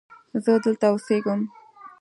زه دلته اوسیږم.